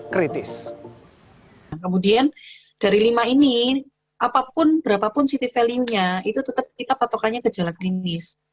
kemudian dari lima ini apapun berapapun city value nya itu tetap kita patokannya gejala klinis